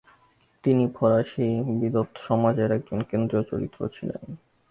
তিনি ফরাসি বিদ্বৎসমাজের একজন কেন্দ্রীয় চরিত্র ছিলেন।